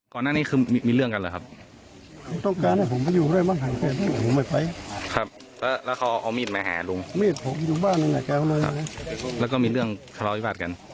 ผู้โกข่าวถูกออกแปลงละครับ